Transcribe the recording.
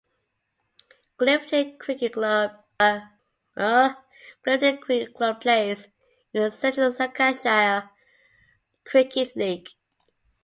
Clifton Cricket Club plays in the Central Lancashire Cricket League.